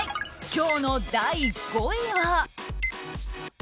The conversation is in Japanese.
今日の第５位は。